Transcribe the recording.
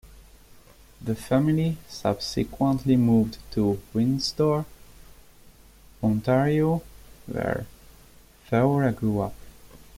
The family subsequently moved to Windsor, Ontario, where Feore grew up.